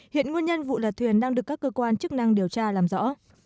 hiện nguyên nhân vụ lật thuyền đang được các cơ quan chức năng điều tra làm rõ